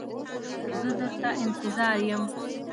زه در ته انتظار یم.